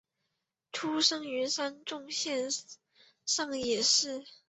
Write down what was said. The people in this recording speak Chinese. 出生于三重县上野市。